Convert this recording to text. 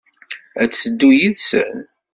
Ad teddu yid-sen?